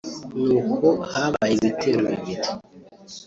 ni uko habaye ibitero bibiri